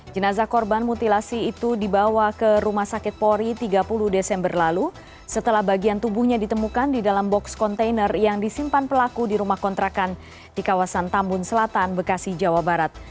jenazah korban mutilasi itu dibawa ke rumah sakit polri tiga puluh desember lalu setelah bagian tubuhnya ditemukan di dalam box kontainer yang disimpan pelaku di rumah kontrakan di kawasan tambun selatan bekasi jawa barat